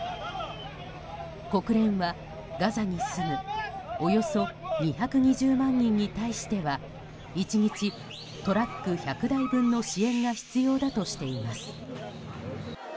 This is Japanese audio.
国連はガザに住むおよそ２２０万人に対しては１日、トラック１００台分の支援が必要だとしています。